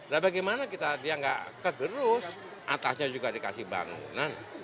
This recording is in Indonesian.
nah bagaimana dia gak kegerus atasnya juga dikasih bangunan